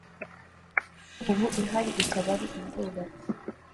ubu ihari ikaba ari ubwubatsi